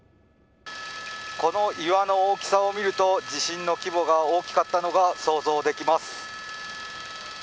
この岩の大きさを見ると地震の規模が大きかったのが想像できます。